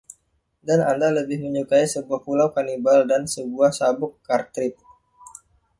Dan Anda lebih menyukai sebuah pulau kanibal dan sebuah sabuk kartrid.